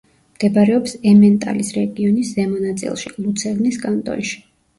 მდებარეობს ემენტალის რეგიონის ზემო ნაწილში, ლუცერნის კანტონში.